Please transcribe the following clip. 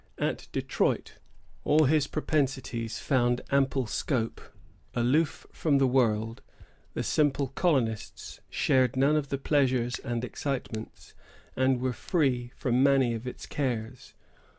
At Detroit, all his propensities found ample scope. Aloof from the world, the simple colonists shared none of its pleasures and excitements, and were free from many of its cares.